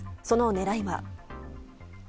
その狙いは。